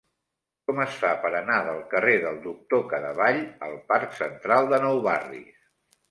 Com es fa per anar del carrer del Doctor Cadevall al parc Central de Nou Barris?